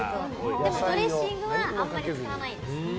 でも、ドレッシングはあまり使わないです。